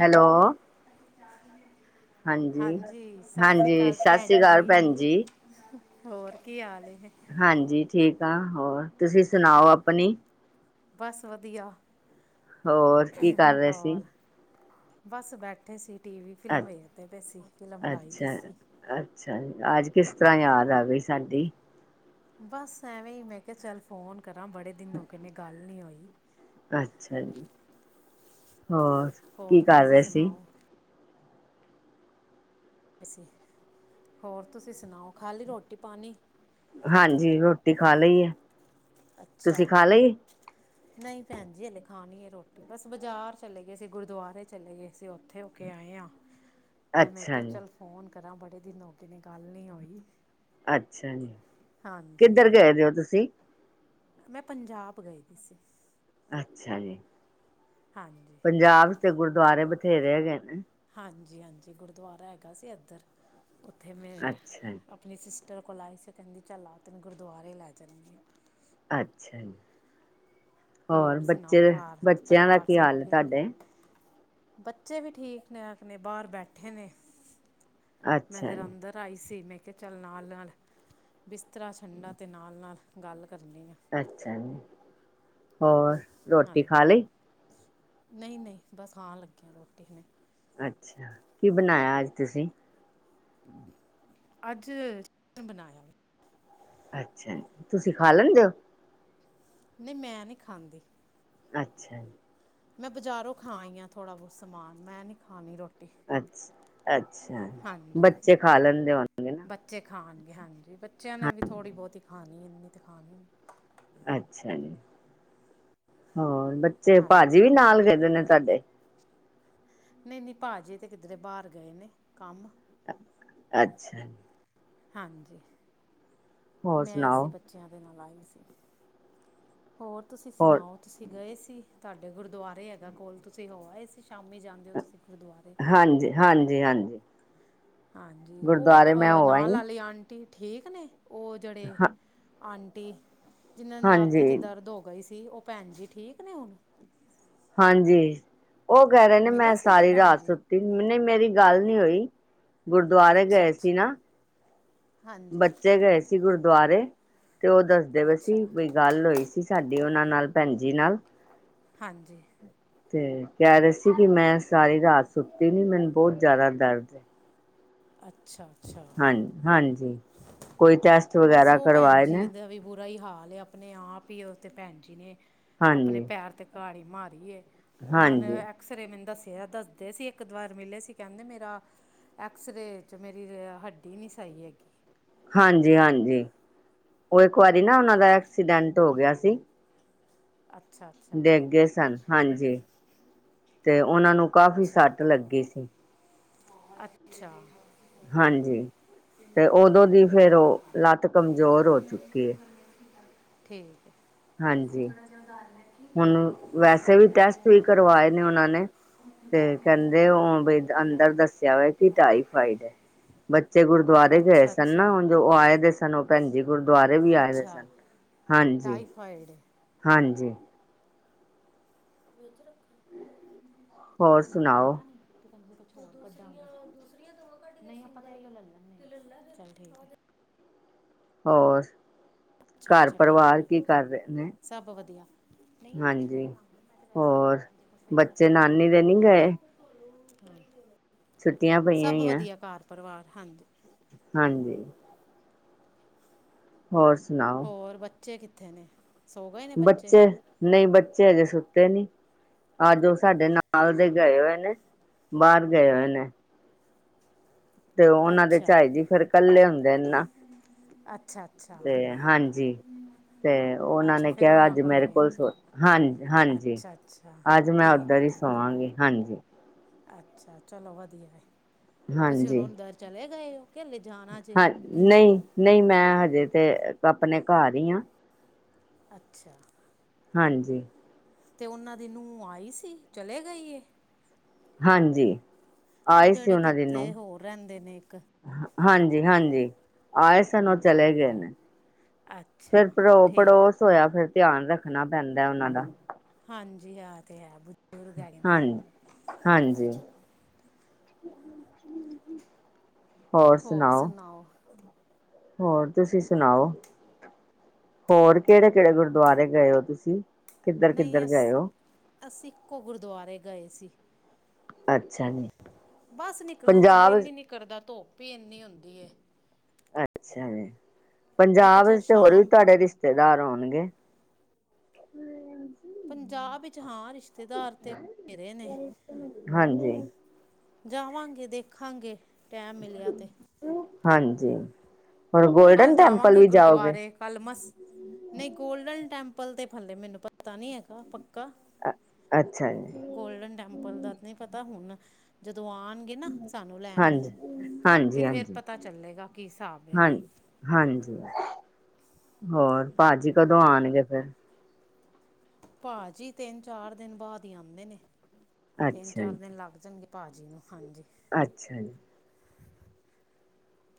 Hello ਹਾਂਜੀ ਸਸ ਸ੍ਰੀ ਹਾਂਜੀ ਕਾਲ ਸਤਿ ਸ੍ਰੀ ਭੈਣ ਅਕਾਲ ਜੀ। ਭੈਣ ਜੀ ਹੋਰ ਕੀ ਹਾਲ ਏ। ਹਾਂਜੀ ਠੀਕ ਆ, ਹੋਰ ਤੁਸੀਂ ਸੁਣਾਓ ਆਪਣੀ? ਬਸ ਵਧੀਆ, ਹੋਰ ਕੀ ਕਰ ਰਹੇ ਸੀ ਹੋਰ? ਬਸ ਬੈਠੇ ਸੀ ਟੀ ਵੀ ਅ ਫਿਲਮ ਵੇਖਦੇ ਪਏ ਸੀ ਫਿਲਮ ਲਾਈ ਦੀ ਅੱਛਾ ਸੀ। ਅੱਛਾ ਜੀ ਅੱਜ ਕਿਸ ਤਰ੍ਹਾਂ ਯਾਦ ਆ ਗਈ ਸਾਡੀ। ਬਸ ਐਵੇਂ ਹੀ ਮੈਂ ਕਿਹਾ ਚੱਲ ਫੋਨ ਕਰਾਂ ਬੜੇ ਦਿਨ ਹੋ ਗੇ ਨੇ ਗੱਲ ਨੀ ਹੋਈ। ਅੱਛਾ ਜੀ ਹੋਰ ਹੋਰ ਕੀ ਕਰ ਤੁਸੀਂ ਰਹੇ ਸੀ ਸੁਣਾਓ। ਅਸੀਂ, ਹੋਰ ਤੁਸੀਂ ਸੁਣਾਓ ਖਾਲੀ ਰੋਟੀ ਪਾਣੀ? ਹਾਂਜੀ ਰੋਟੀ ਖਾ ਲਈ ਏ। ਅੱਛਾ। ਨਈ ਭੈਨ ਜੀ ਹੱਲੇ ਖਾਨੀ ਏ ਰੋਟੀ ਬਾੱਸ ਬਜਾਰ ਚਲੇ ਗਏ ਅਸੀ, ਗੁਰਦੁਆਰੇ ਚਲੇ ਗਏ ਸੀ, ਓਥੇ ਹੋ ਕੇ ਆਏ ਆਂ। ਤੇ ਮੈਂ ਅੱਛਾ ਕੇਆ ਜੀ ਚੱਲ ਫੋਨ ਕਰਾਂ, ਬੜੇ ਦਿਨ ਹੋਗੇ ਨੇ ਗਾੱਲ ਨੀ ਹੋਈ। ਅੱਛਾ ਜੀ, ਹਾਂਜੀ ਕਿੱਦਰ ਗਏਦੇ ਓ ਤੂਸੀ? ਮੈਂ ਪੰਜਾਬ ਗਈ ਦੀ ਸੀ। ਅੱਛਾ ਜੀ। ਹਾਂਜੀ। ਪੰਜਾਬ ਤੇ ਗੁਰਦੁਆਰੇ ਬਥੇਰੇ ਹੈਗੇ ਨੇ। ਹਾਂਜੀ-ਹਾਂਜੀ ਗੁਰਦੁਆਰਾ ਹੈਗਾ ਸੀ ਐਦੱਰ, ਓਥੇ ਮੇਰੇ ਅੱਛਾ ਜੀ ਅਪ ਅਪਨੀ ਸਿਸਟਰ ਕੋਲ ਆਏ ਸੀ, ਓ ਕੈਂਦੀ ਚੱਲ ਆ ਤੇਨੂੰ ਗੁਰਦੁਆਰੇ ਲੈ ਜਾਂਨੀ ਆਂ। ਅੱਛਾ ਜੀ, ਹਾਂ ਹੋਰ ਸੁਣਾਓ ਬੱਚੇ, ਘਰ ਬੱਚੇਆਂ ਦਾ ਪਰਿਵਾਰ ਕੀ ਸਭ ਹਾਲ ਏ ਠੀਕ ਤਾੱਡੇ? ਬੱਚੇ ਵੀ ਠੀਕ ਨੇ ਅਪਨੇ, ਬਾਰ ਬੈਠੇ ਨੇ, ਮੈਂ ਅੱਛਾ ਜਰਾ ਜੀ ਅੰਦਰ ਤਾਈ ਸੀ, ਮੈਂ ਕੇਆ ਚੱਲ ਨਾਲ-ਨਾਲ ਬਿਸਤਰਾ ਝੰਡਾ ਤੇ ਨਾਲ-ਨਾਲ ਗਾੱਲ ਕਰਨੀ ਆਂ। ਅੱਛਾ ਜੀ। ਹੋਰ ਰੋਟੀ ਖਾ ਹਾਂਜੀ, ਲਈ ਨਹੀਂ-ਨਈ ਬਾ ਖਾਨ ਲੱਗੇ ਆ ਰੋਟੀ ਹੁਨੇ। ਅੱਛਾ, ਕੀ ਬਨਾਏਆ ਆੱਜ ਤੂਸੀ? ਆੱਜ ਚਿਕਨ ਬਨਾਏਆ ਵੇ। ਅੱਛਾ ਜੀ, ਤੂਸੀ ਖਾ ਲੈਂਦੇ ਓ? ਨੀ, ਮੈਂ ਨੀ ਖਾਂਦੀ। ਅੱਛਾ ਜੀ। ਮੈਂ ਬਜ਼ਾਰੋਂ ਖਾ ਆਈ ਆਂ ਥੋੜਾ ਬੋਤ ਸਮਾਨ, ਮੈਂ ਨੀ ਖਾਨੀ ਰੋਟੀ। ਅੱਛ-ਅੱਛਾ, ਹਾਂਜੀ ਬੱਚੇ ਖਾ ਲੈਂਦੇ ਹੋਨੇ? ਬੱਚੇ ਖਾਨਗੇ ਹਾਂਜੀ, ਬੱਚੇਆਂ ਨੇ ਵੀ ਥੋੜੀ ਬੋਤੀ ਖਾਨੀ ਏ, ਇੰਨੀ ਤੇ ਖਾਨੀ ਨੀ। ਅੱਛਾ ਜੀ, ਹੋਰ ਬੱਚੇ, ਭਾਜੀ ਹਾਂਜੀ ਵੀ ਨਾਲ ਗਏ ਦੇ ਨੇ ਤੂਆਡੇ? ਨਈ-ਨਈ ਭਾਜੀ ਤੇ ਕਿੱਦਰੇ ਬਾਰ ਗਏ ਨੇ, ਕਾੰਮ। ਅੱਛਾ ਜੀ। ਹਾਂਜੀ। ਹੋਰ ਮੈਂ ਸੀ ਸੁਣਾਓ ਬੱਚੇਆਂ ਦੇ ਨਾਲ ਆਈ ਸੀ, ਹੋਰ ਤੂਸੀ ਹੋਰ ਸੁਨਾਓ? ਤੁਸੀਂ ਗਏ ਸੀ, ਤੂਆਡੇ ਗੁਰਦੁਆਰੇ ਹੈਗਾ ਕੋਲ, ਤੂਸੀ ਹੋ ਆਏ ਸੀ ਸ਼ਾਮੀ ਜਾਨ ਹਾਂਜੀ, ਹਾਂਜੀ, ਹਾਂਜੀ। ਹਾਂਜੀ, ਓ ਤ ਗੁਰਦੁਆਰੇ ਮੈਂ ਹੋ ਨਾਲ ਆਈ ਆਲੀ ਆਂਟੀ ਠੀਕ ਨੇ, ਓ ਜੇੜੇ ਹਾਂ ਆਂਟੀ ਜਿਨਾਂ ਨੂ ਲਾੱਤ ਇਚ ਹਾਂਜੀ ਦਰਦ ਹੋ ਗਈ ਸੀ, ਓ ਭੈਨ ਜੀ ਠੀਕ ਨੇ ਹੁਣ? ਹਾਂਜੀ, ਓ ਕੈ ਰੇ ਨੇ ਮੈਂ ਮਿਲੇ ਸੀ ਜੇ ਸਾਰੀ ਭੈਣ ਰਾਤ ਜੀ ਸੁੱਤ ਤੀ, ਨੀ ਮੇਰੀ ਗਾੱਲ ਨੀ ਹੋਈ, ਗੁਰਦੁਆਰੇ ਅੱਛਾ ਗਏ ਅੱਛਾ ਸੀ ਨਾ ਹਾਂਜੀ ਬੱਚੇ ਗਏ ਸੀ ਗੁਰਦੁਆਰੇ, ਤੇ ਓ ਦੱਸਦੇ ਪਏ ਸੀ ਅੱਛਾ ਬਈ ਗਾੱਲ ਹੋਈ ਸੀ ਸਾਡੀ, ਓਨਾਂ ਨਾਲ ਭੈਨ ਜੀ ਨਾਲ ਹਾਂਜੀ। ਤੇ ਕੈ ਰੇ ਸੀ ਕਿ ਮੈਂ ਸਾਰੀ ਰਾਤ ਸੁੱਤੀ ਨੀ, ਮੈਨ ਬੋਤ ਜਾਦਾ ਦਰਦ ਏ। ਅੱਛਾ-ਅੱਛਾ। ਹਾਂਜੀ ਹਾਂਜੀ, ਕੋਈ ਟੈਸਟ ਬਸ ਵਗੈਰਾ ਉਹ ਭੈਣ ਕਰਵਾਏ ਜੀ ਨੇ? ਦਾ ਵੀ ਬੁਰਾ ਈ ਹਾਲ ਏ, ਅਪਨੇ ਆਪ ਈ ਓ ਤੇ ਭੈਨ ਜੀ ਨੇ ਅਪਨੇ ਹਾਂਜੀ ਪੈਰ ਤੇ ਕ੍ਹਾੜੀ ਮਾਰੀ ਏ, ਓਨਾਂ ਨੇ ਹਾਂਜੀ ਐ ਅਐਕਸਰੇ ਮੈਨ ਦੱਸੇਐ, ਦੱਸਦੇ ਸੀ ਏੱਕ ਦਵਾਰ ਮਿਲੇ ਸੀ, ਕੈਂਦੇ ਮੇਰਾ ਐਕਸਰੇ ਚ ਮੇਰੀ ਅ ਹੱਡੀ ਨੀ ਸਈ ਹੈਗੀ। ਹਾਂਜੀ-ਹਾਂਜੀ, ਓ ਇੱਕ ਵਾਰੀ ਨਾ ਓਨਾਂ ਦਾ ਐਕਸੀਡੈਂਟ ਹੋ ਗਿਆ ਸੀ। ਅੱਛਾ ਅੱਛਾ ਡਿੱਗ ਗਏ ਸਨ ਹਾਂਜੀ ਤੇ ਉਹਨਾਂ ਨੂੰ ਕਾਫ਼ੀ ਅੱਛਾ ਸੱਟ ਲੱਗੀ ਸੀ। ਅੱਛਾ ਹਾਂਜੀ ਤੇ ਉਦੋਂ ਦੀ ਫਿਰ ਓ ਲੱਤ ਕਮਜ਼ੋਰ ਹੋ ਚੁੱਕੀ ਏ। ਠੀਕ ਏ। ਹਾਂਜੀ ਹੁਣ ਵੈਸੇ ਵੀ ਟੈਸਟ ਵੀ ਕਰਵਾਏ ਨੇ ਉਹਨਾਂ ਨੇ ਤੇ ਕੈਂਦੇ ਓ ਅੰਦਰ ਦੱਸਿਆ ਹੋ ਕਿ ਟਾਈਫਾਈਡ ਵੇ ਬ ਬੱਚੇ ਗੁਰਦੁਆਰੇ ਗਏ ਅੱਛਾ ਸਨ ਅੱਛਾ ਨਾ ਹੁਣ ਜੋ ਓ ਆਏ ਦੇ ਸਨ ਓ ਭੈਣ ਜੀ ਗੁਰਦੁਆਰੇ ਵੀ ਆਏ ਦੇ ਅੱਛਾ ਸਨ। ਹਾਂਜੀ ਟਾਈਫਾਈਡ ਏ। ਹਾਂਜੀ ਵਿੱਚ ਰੱਖਾ ਹੋਰ ਇਹ ਸੁਣਾਓ ਰੱਖਣੀਆਂ ਨਈ ਤੂੰ ਕੈਂਦੀ ਕੁਛ ਹੋਰ ਕੱਢਾਂ ਦੂਸਰੀਆਂ- ਦੂਸਰੀਆਂ ਦਵਾਂ ਕਢ ਕੇ ਨਈ ਆਪਾਂ ਤੇ ਇਹੀਉ ਲੱ ਲੈਣੇ ਆ ਤੇ ਲੱ ਲਾ ਫਿਰ ਚਲ ਠੀਕ ਏ। ਹੋਰ ਅੱਛਾ ਘਰ ਅੱਛਾ ਠੀਕ ਪਰਿਵਾਰ ਹੈ ਕੀ ਕਰ ਰਏ ਨੇ। ਸਭ ਵਧੀਆ ਨਈ ਮੈਂ ਤੇ ਹਾਂਜੀ [unintelligible] ਵੈਸੇ ਹੋਰ ਬੁਲਾਇਆ ਸੀ ਜੇ ਕੁਛ ਵਿੱਚ ਬੱਚੇ ਰੱਖਣਾ ਨਾਨੀ ਖਡੋਣੇ ਦੇ ਨੀ ਬਣੇ ਗਏ ਵਗੈਰਾ ਨਈ ਦੀਦੀ ਛੁੱਟੀਆਂ ਪਈਆਂ ਸਭ ਹੀ ਆ ਵਧੀਆ ਘਰ ਪਰਿਵਾਰ ਹਾਂਜੀ। ਹਾਂਜੀ ਹੋਰ ਸੁਣਾਓ। ਹੋਰ ਬੱਚੇ ਕਿੱਥੇ ਨੇ। ਸੋ ਗਏ ਨੇ ਬੱਚੇ ਨਈ ਬੱਚੇ ਹਜੇ ਸੁੱਤੇ ਨੀ ਅਜ ਓ ਸਾਡੇ ਨਾਲ ਨਾਲ ਦੇ ਗਏ ਹੋਏ ਨੇ ਬਾਰ ਗਏ ਹੋਏ ਨੇ। ਤੇ ਉਹਨਾਂ ਦੇ ਅੱਛਾ ਝਾਈ ਜੀ ਫਿਰ ਕੱਲੇ ਹੁੰਦੇ ਨੇ ਨਾ। ਅੱਛਾ ਅੱਛਾ ਤੇ ਹਾਂਜੀ। ਤੇ ਉਹਨਾਂ ਅੱਛਾ ਨੇ ਫਿਰ ਕਿਆ ਉਹਨਾਂ ਅੱਜ ਮੇਰੇ ਗਏ ਕੋਲ ਸੋ ਹਾਂ ਹਾਂਜੀ। ਅੱਛਾ ਅੱਛਾ ਅੱਜ ਮੈਂ ਠੀਕ ਉੱਧਰ ਹੈ ਹੀ ਠੀਕ ਸੋਵਾਂਗੀ ਹਾਂਜੀ। ਅੱਛਾ ਚਲੋ ਵਧੀਆ ਹੈ ਤੁਸੀਂ ਹੁਣ ਹਾਂਜੀ ਉਂਦਰ ਚਲੇ ਗਏ ਹੋ ਕੇ ਹੱਲੇ ਜਾਣਾ ਜੇ। ਨਈ-ਨਈ ਮੈਂ ਹਜੇ ਤੇ ਆਪਣੇ ਘਰ ਈ ਆਂ। ਅੱਛਾ ਹਾਂਜੀ ਤੇ ਉਹਨਾਂ ਦੀ ਨੂੰਹ ਆਈ ਸੀ ਚਲੇ ਗਈ ਏ। ਹਾਂਜੀ ਓ ਆਏ ਜਿਹੜੇ ਕਿੱਥੇ ਹੋਰ ਰੈਂਦੇ ਨੇ ਇੱਕ ਹਾਂਜੀ-ਹਾਂਜੀ ਆਏ ਸਨ ਓ ਚਲੇ ਗਏ ਨੇ। ਫਿਰ ਅੱਛਾ ਪੜੋ ਠੀਕ ਪੜੋਸ ਹੋਇਆ ਫਿਰ ਧਿਆਨ ਰੱਖਣਾ ਪੈਂਦਾ ਉਹਨਾਂ ਦਾ ਹਾਂਜੀ ਐ ਤੇ ਹੈ ਬ ਹਾਂ ਹਾਂਜੀ। ਹੋਰ ਸੁਣਾਓ। ਹੋਰ ਤੁਸੀਂ ਸੁਣਾਓ ਹੋਰ ਕੇੜੇ ਕੇੜੇ ਗੁਰਦੁਆਰੇ ਗਏ ਓ ਤੁਸੀਂ ਕਿੱਧਰ ਨਈ ਕਿੱਧਰ ਗਏ ਹੋ ਅਸੀ-ਅਸੀਂ ਇੱਕੋ ਗੁਰਦੁਆਰੇ ਗਏ ਸੀ। ਅੱਛਾ ਜੀ ਬਸ ਨਿਕਲਣ ਤੇ ਪੰਜਾਬ ਦਿਲ ਹੀ ਨੀ ਕਰਦਾ ਧੁੱਪ ਇੰਨੀ ਹੁੰਦੀ ਏ ਅੱਛਾ ਜੀ ਮੈਂ ਕਿਹਾ ਪੰਜਾਬ ਚੱਲ 'ਚ ਤੇ ਹੋਰ ਵੀ ਸ਼ਾਮ ਤੁਹਾਡੇ ਰਿਸ਼ਤੇ ਰਿਸ਼ਤੇਦਾਰ ਹੋਣਗੇ। ਪੰਜਾਬ ਵਿੱਚ ਹਾਂ ਰਿਸ਼ਤੇਦਾਰ ਤੇ [unintelligible] ਰੇ ਨੇ। ਹਾਂਜੀ ਜਾਵਾਂਗੇ ਦੇਖਾਂਗੇ ਟੈਮ ਮਿਲਿਆ ਤੇ ਹਾਂਜੀ ਹੁਣ ਕੱਲ ਗੋਲਡਨ ਟੈਂਪਲ ਜਾਵਾਂਗੇ ਵੀ ਜਾਓਗੇ। ਗੁਰਦੁਆਰੇ ਕੱਲ ਮਸ ਨਈ ਗੋਲਡਨ ਟੈਂਪਲ ਤੇ ਫ ਲੇ ਮੈਨੂੰ ਪਤਾ ਨਈ ਹੈਗਾ ਪੱਕਾ ਅੱਛਾ ਜੀ। ਗੋਲਡਨ ਟੈਂਪਲ ਦਾ ਤਾਂ ਨਹੀਂ ਪਤਾ ਹੁਣ ਜਦੋਂ ਆਉਣ ਏਨਾ ਸਾਨੂੰ ਲੈਣ ਹਾਂਜੀ ਤੇ ਹਾਂਜੀ ਫੇਰ ਹਾਂਜੀ ਪਤਾ ਚੱਲੇਗਾ ਕੀ ਹਿਸਾਬ ਹਾਂ ਹੈਗਾ। ਹਾਂਜੀ, ਹੋਰ ਭਾਜੀ ਕਦੋਂ ਆਉਣਗੇ ਫਿਰ? ਭਾਜੀ ਤਿੰਨ ਚਾਰ ਦਿਨ ਬਾਅਦ ਹੀ ਆਂਦੇ ਨੇ ਤਿੰਨ ਅੱਛਾ ਜੀ ਚਾਰ ਦਿਨ ਲੱਗ ਜਾਣਗੇ ਭਾਅ ਜੀ ਨੂੰ ਹਾਂਜੀ ਅੱਛਾ ਜੀ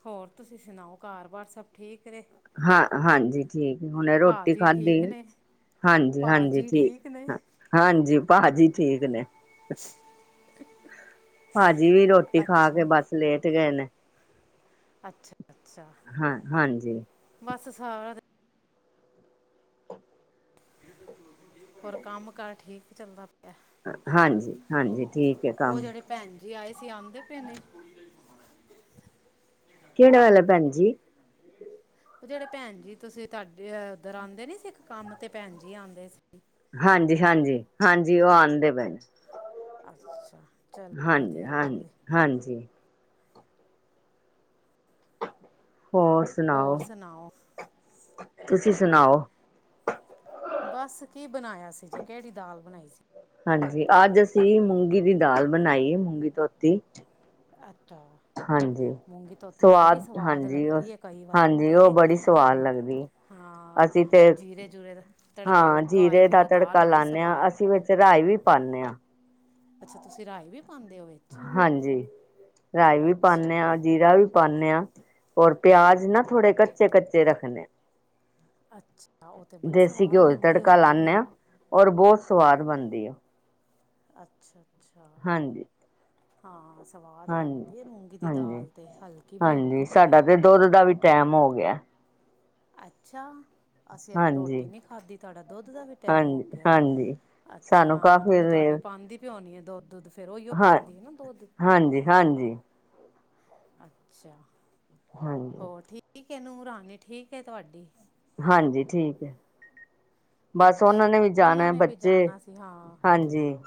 ਹੋਰ ਤੁਸੀਂ ਸੁਣਾਓ ਘਰ ਬਾਰ ਸਭ ਠੀਕ ਰਹੇ? ਹਾਂ ਹਾਂਜੀ ਠੀਕ ਹੁਣੇ ਰੋਟੀ ਖਾਦੀ ਠੀਕ ਨੇ ਹਾਂਜੀ-ਹਾਂਜੀ ਭਾਜੀ ਠੀਕ ਨੇ ਹਾਂਜੀ ਭਾਜੀ ਠੀਕ ਨੇ। [inaudible] ਭਾਜੀ ਵੀ ਰੋਟੀ ਖਾ ਕੇ ਅੱਛਾ ਬਸ ਲੇਟ ਗਏ ਨੇ। ਅੱਛਾ-ਅੱਛਾ ਹਾਂ, ਹਾਂਜੀ ਬਸ ਸਾਰਾ ਹੋਰ ਕੰਮ ਕਾਰ ਠੀਕ ਚੱਲਦਾ ਪਿਆ ਹਾਂਜੀ-ਹਾਂਜੀ ਠੀਕ ਹੈ ਉਹ ਕੰਮ। ਜਿਹੜੇ [unintelligible] ਆਏ ਸੀ ਆਂਦੇ ਪਏ ਨੇ ਕਿਹੜਾ ਵਾਲਾ ਭੈਣ ਜੀ? ਉਹ ਜਿਹੜੇ ਭੈਣ ਜੀ ਤੁਸੀਂ ਤੁਹਾਡੇ ਉੱਧਰ ਆਉਂਦੇ ਨੀ ਸੀ ਇੱਕ ਕੰਮ ਤੇ ਭੈਣ ਜੀ ਆਉਂਦੇ ਸੀ ਹਾਂਜੀ-ਹਾਂਜੀ, ਹਾਂਜੀ ਉਹ ਆਂਦੇ ਪਏ ਨੇ। ਅੱਛਾ, ਚਲੋ ਹਾਂਜੀ ਵਧੀਆ ਗੱਲ ਹਾਂਜੀ ਹੈ। ਹਾਂਜੀ ਹੋਰ ਸੁਣਾਓ, ਹੋਰ ਸੁਣਾਓ ਤੁਸੀਂ ਸੁਣਾਓ? ਬਸ ਕੀ ਬਣਾਇਆ ਸੀ ਜੇ ਕਿਹੜੀ ਦਾਲ ਬਣਾਈ ਸੀ? ਹਾਂਜੀ ਅੱਜ ਅਸੀਂ ਮੂੰਗੀ ਦੀ ਦਾਲ ਬਣਾਈ ਹੈ ਮੂੰਗੀ ਧੋਤੀ ਅੱਚਾ ਹਾਂਜੀ ਸਵਾਦ ਹਾਂਜੀ ਉਹ ਲੱਗਦੀ ਏ ਕਈ ਵਾਰੀ ਹਾਂਜੀ ਉਹ ਤੇ ਬੜੀ ਸਵਾਦ ਲੱਗਦੀ ਹੈ। ਹਾਂ ਅਸੀਂ ਤੇ ਜੀਰੇ ਜੂਰੇ ਦਾ ਤੜਕਾ ਹਾਂ ਲੱਗਾ ਹੋਏ ਜੀਰੇ ਦਾ ਫਿਰ ਦਾਲ ਤੜਕਾ ਬੜੀ ਲਾਦੇ ਹਾਂ ਸਵਾਦ ਅਸੀਂ ਵਿੱਚ ਰਾਈ ਵੀ ਪਾਨੇ ਹਾਂ। ਅੱਛਾ ਤੁਸੀਂ ਰਾਈ ਵੀ ਪਾਉਂਦੇ ਹੋ ਵਿੱਚ? ਹਾਂਜੀ ਰਾਈ ਵੀ ਪਾਨੇ ਅੱਛਾ ਹਾਂ ਜੀਰਾ ਵੀ ਪਾਨੇ ਹਾਂ ਔਰ ਪਿਆਜ ਨਾ ਥੋੜੇ ਕੱਚੇ-ਕੱਚੇ ਰੱਖਣੇ ਆ ਅੱਛਾ ਉਹ ਤੇ ਬੜੀ ਦੇਸੀ ਸਵਾਦ ਘਿਓ ਚ ਬਨਦੀ ਤੜਕਾ ਹੋਣੀ ਹੈ ਲਾਨੇ ਫਿਰ? ਹਾਂ ਔਰ ਬੋਹੋਤ ਸਵਾਦ ਬਣਦੀ ਹੈ। ਅੱਛਾ-ਅੱਛਾ ਹਾਂਜੀ ਹਾਂ ਸਵਾਦ ਹਾਂਜੀ ਬਣਦੀ ਹੈ ਮੂੰਗੀ ਦੀ ਹਾਂਜੀ ਦਾਲ ਤੇ ਹਲਕੀ ਵੀ ਹਾਂਜੀ ਹੁੰਦੀ ਹੈ। ਸਾਡਾ ਤੇ ਦੁੱਧ ਦਾ ਵੀ ਟੈਮ ਹੋ ਗਿਆ ਅੱਛਾ ਅਸੀਂ ਹਾਲੇ ਹਾਂਜੀ ਰੋਟੀ ਨਹੀਂ ਖਾਧੀ ਤੁਹਾਡਾ ਦੁੱਧ ਦਾ ਵੀ ਟਾਈਮ ਹੋ ਹਾਂਜੀ ਗਿਆ? ਹਾਂਜੀ ਸਾਨੂੰ ਅੱਛਾ ਕਾਫੀ ਨੂੰਹ ਤੁਹਾਡੀ ਦੇਰ ਪਾਂਦੀ ਪੇ ਹੋਣੀ ਆ ਦੁੱਧ ਫਿਰ ਉਹੀਓ ਹਾਂ ਪਾਉਂਦੀ ਹੈ ਨਾ ਦੁੱਧ ਹਾਂਜੀ-ਹਾਂਜੀ ਅੱਛਾ ਹਾਂਜੀ ਹੋਰ ਠੀਕ ਹੈ ਨੂੰਹ ਰਾਣੀ ਠੀਕ ਹੈ ਤੁਹਾਡੀ? ਹਾਂਜੀ ਠੀਕ ਹੈ। ਬਸ ਉਹਨਾਂ ਅੱਛਾ ਨੇ ਵੀ ਜਾਣਾ ਉਹਨਾਂ ਹੈ ਨੇ ਵੀ ਬੱਚੇ, ਜਾਣਾ ਸੀ ਹਾਂ ਹਾਂਜੀ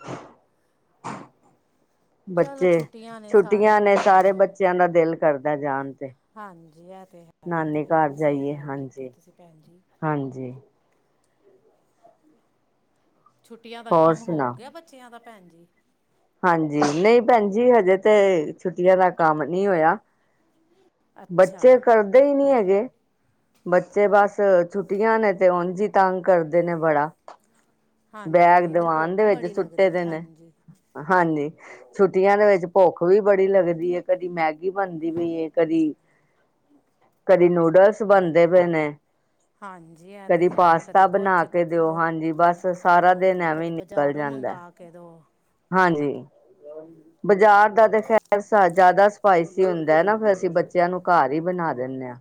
[inaudible] ਚਲੋ ਬੱਚੇ ਛੁੱਟੀਆਂ ਨੇ ਛੁੱਟੀਆਂ ਸਾਰਿਆਂ ਨੇ ਸਾਰੇ ਜਾਣਾ ਬੱਚਿਆਂ ਦਾ ਦਿਲ ਕਰਦਾ ਹੈ ਜਾਣ ਤੇ। ਹਾਂਜੀ ਇਹ ਤਾਂ ਹੈ ਅਤੇ ਨਾਨੀ ਘਰ ਬਿਲਕੁਲ ਸਹੀ ਜਾਈਏ ਗੱਲ ਕੀਤੀ ਹਾਂਜੀ ਤੁਸੀਂ ਭੈਣ ਜੀ ਹਾਂਜੀ ਛੁੱਟੀਆਂ ਦਾ ਹੋਰ ਕੰਮ ਹੋ ਸੁਣਾ ਗਿਆ ਬੱਚਿਆਂ ਦਾ ਭੈਣ ਜੀ ਹਾਂਜੀ ਨਹੀਂ ਭੈਣ ਜੀ ਹਜੇ ਤੇ ਛੁੱਟੀਆਂ ਦਾ ਕੰਮ ਨਹੀਂ ਹੋਇਆ ਅੱਛਾ ਬੱਚੇ ਕਰਦੇ ਹੀ ਨਹੀਂ ਹੈਗੇ। ਬੱਚੇ ਬਸ ਛੁੱਟੀਆਂ ਨੇ ਤੇ ਉੰਝ ਤੰਗ ਕਰਦੇ ਨੇ ਬੜਾ। ਬੈਗ ਹਾਂਜੀ ਇੱਕ ਦੀਵਾਨ ਦੇ ਭੁੱਖ ਵਿੱਚ ਬੜੀ ਸੁੱਟੇ ਲੱਗਦੀ ਹੈ ਦੇ ਨੇ ਹਾਂਜੀ ਹਾਂਜੀ ਛੁੱਟੀਆਂ ਦੇ ਵਿੱਚ ਭੁੱਖ ਵੀ ਬੜੀ ਲੱਗਦੀ ਏ ਕਦੀ ਮੈਗੀ ਬਣਦੀ ਪਈ ਕਦੀ ਕਦੀ ਨੂਡਲਸ ਬਣਦੇ ਪਏ ਨੇ। ਹਾਂਜੀ ਇਹ ਤੇ ਕਦੀ ਹੈ ਕਦੀ ਪਾਸਤਾ ਕੁਛ ਬਣਾ ਕੇ ਕਦੀ ਦਿਓ ਕੁਛ ਹਾਂਜੀ ਬਸ। ਸਾਰਾ ਦਿਨ ਐਵੇਂ ਨਿਕਲ ਜਾਂਦਾ ਕਦੋਂ ਹਾਂਜੀ ਬਾਜ਼ਾਰ ਦਾ ਤਾਂ ਖੈਰ ਜ਼ਿਆਦਾ ਸਪਾਈਸੀ ਹੁੰਦਾ ਨਾ ਫਿਰ ਅਸੀਂ ਬੱਚਿਆਂ ਨੂੰ ਘਰ ਹੀ ਬਣਾ ਦਿੰਦੇ ਹਾਂ।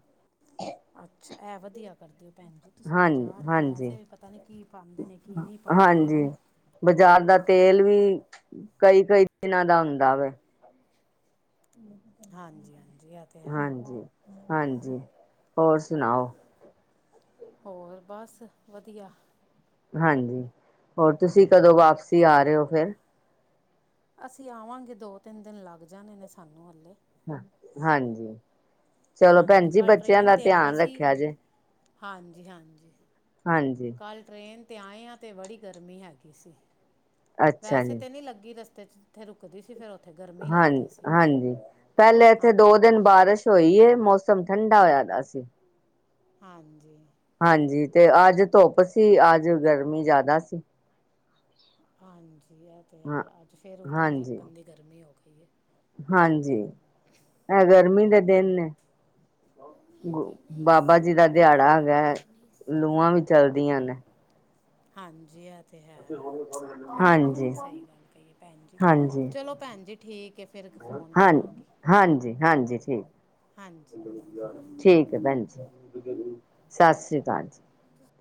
ਅੱਛਾ ਇਹ ਵਧੀਆ। ਕਰਦੇ ਹੋ ਭੈਣ ਜੀ ਤੁਸੀਂ ਹਾਂਜੀ ਬਾਜ਼ਾਰ ਚ ਹਾਂਜੀ ਵੈਸੇ ਵੀ ਪਤਾ ਨਹੀਂ ਕੀ ਪਾਉਂਦੇ ਨੇ ਕੀ ਨਹੀਂ ਪਾਉਂਦੇ। ਹਾਂਜੀ ਬਾਜ਼ਾਰ ਦਾ ਤੇਲ ਵੀ ਕਈ ਕਈ ਦਿਨਾਂ ਦਾ ਹੁੰਦਾ ਵੇ। ਹਾਂਜੀ ਹਾਂਜੀ ਇਹ ਤੇ ਹੈ। ਹਾਂਜੀ ਹਾਂਜੀ ਹੋਰ ਸੁਣਾਓ। ਹੋਰ ਬਸ ਵਧੀਆ। ਹਾਂਜੀ ਹੋਰ ਤੁਸੀਂ ਕਦੋਂ ਵਾਪਸੀ ਆ ਰਹੇ ਹੋ ਫੇਿਰ। ਅਸੀਂ ਆਵਾਂਗੇ ਦੋ ਤਿੰਨ ਦਿਨ ਲੱਗ ਜਾਣੇ ਨੇ ਸਾਨੂੰ ਹੱਲੇ। ਹਾਂਜੀ ਚਲੋ ਹਾਂਜੀ ਭੈਣ ਜੀ ਕੱਲ੍ਹ ਬੱਚਿਆਂ ਟ੍ਰੇਨ ਦਾ 'ਤੇ ਆਏ ਧਿਆਨ ਸੀ ਰੱਖਿਆ ਜੇ। ਹਾਂਜੀ ਹਾਂਜੀ। ਹਾਂਜੀ ਕਲ ਟ੍ਰੇਨ ਤੇ ਆਏ ਹਾਂ ਤੇ ਬੜੀ ਗਰਮੀ ਹੈਗੀ ਸੀ ਅੱਛਾ ਵੈਸੇ ਜੀ ਤੇ ਨਹੀਂ ਲੱਗੀ ਵੇਸ। ਤੇ ਜਿੱਥੇ ਰੁਕਦੀ ਸੀ ਫਿਰ ਉਥੇ ਹਾਂਜ ਹਾਂਜੀ। ਪਹਿਲੇ ਹਾਂ ਇੱਥੇ ਦੋ ਦਿਨ ਬਾਰਿਸ਼ ਹੋਈ ਮੌਸਮ ਠੰਡਾ ਹੋਇਆ ਦਾ ਸੀ। ਹਾਂਜੀ ਹਾਂਜੀ ਤੇ ਅੱਜ ਧੁੱਪ ਸੀ ਅੱਜ ਗਰਮੀ ਜ਼ਿਆਦਾ ਸੀ। ਹਾਂਜੀ ਇਹ ਤੇ ਹਾਂ ਹੈ ਅੱਜ ਫੇਰ ਉਹ ਪਹਿਲੇ ਹਾਂਜੀ ਗੰਦੀ ਗਰਮੀ ਹੋ ਗਈ ਹੈ। ਹਾਂਜੀ ਏ ਗਰਮੀ ਦੇ ਦਿਨ ਨੇ। ਗ ਬਾਬਾ ਜੀ ਦਾ ਦਿਹਾੜਾ ਹੈਗਾ ਲੂਆਂ ਵੀ ਚਲਦੀਆਂ ਨੇ। ਹਾਂਜੀ ਇਹ ਤੇ ਹੈ ਇਹ ਤੇ ਬਿਲਕੁਲ ਹਾਂਜੀ ਸਹੀ ਗੱਲ। ਕਹੀਏ ਭੈਣ ਜੀ ਹਾਂਜੀ ਚਲੋ ਭੈਣ ਜੀ ਠੀਕ ਹੈ ਫਿਰ ਫੋਨ ਹਾਂ ਕਰਾਂਗੀ। ਹਾਂਜੀ ਹਾਂਜੀ ਠੀਕ। ਹਾਂਜੀ ਠੀਕ ਹੈ ਭੈਣ ਜੀ ਸਤਿ ਸ੍ਰੀ ਅਕਾਲ ਜੀ। [inaudible]